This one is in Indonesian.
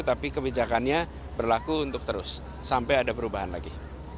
tapi kebijakannya berlaku untuk terus sampai ada perubahan lagi